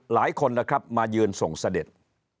หลายคนมายืนส่งเสด็จ